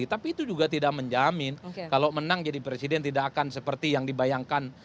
tapi itu juga tidak menjamin kalau menang jadi presiden tidak akan seperti yang dibayangkan